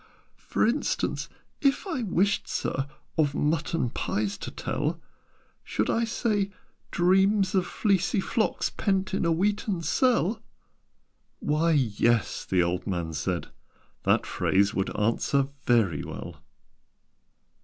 "For instance, if I wished, Sir, Of mutton pies to tell, Should I say 'dreams of fleecy flocks Pent in a wheaten cell'?" "Why, yes," the old man said: "that phrase Would answer very well.